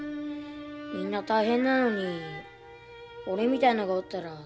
みんな大変なのに俺みたいのがおったらそう思って。